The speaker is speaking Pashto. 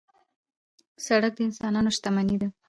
سړک د انسانانو شتمني ده.